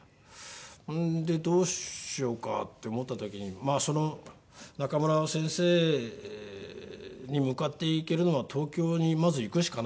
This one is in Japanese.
それでどうしようかって思った時にその中村先生に向かっていけるのは東京にまず行くしかないなと。